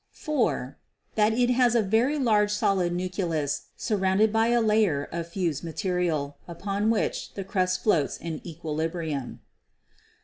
(4) That it has a very large solid nucleus surrounded by a layer of fused material, upon which the crust floats in equi librium.